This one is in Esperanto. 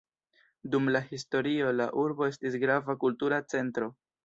Dum la historio la urbo estis grava kultura centro.